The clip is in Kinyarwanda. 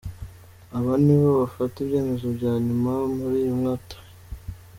Aba nibo bafata ibyemezo bya nyuma muri uyu mutwe.